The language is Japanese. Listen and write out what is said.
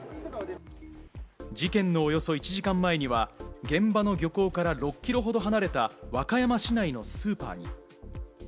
事件のおよそ１時間前には、現場の漁港から６キロほど離れた和歌山市内のスーパーに。